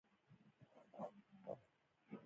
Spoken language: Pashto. رقیب زما د مهارتونو د ښه کولو وسیله ده